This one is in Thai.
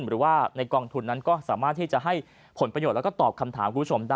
หรือว่าในกองทุนนั้นก็สามารถที่จะให้ผลประโยชน์แล้วก็ตอบคำถามคุณผู้ชมได้